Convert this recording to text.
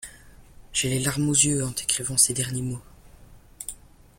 J’ai les larmes aux yeux en t’écrivant ces derniers mots.